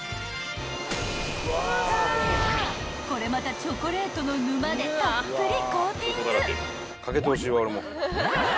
［これまたチョコレートの沼でたっぷりコーティング］